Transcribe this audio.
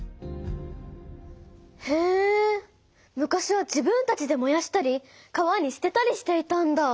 へえ昔は自分たちでもやしたり川にすてたりしていたんだ。